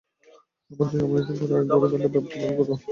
আমাদের জানামতে এরকমটা প্রায়ই ঘটে, ব্যাপারটা দারুণ কৌতূহলোদ্দীপকও বটে।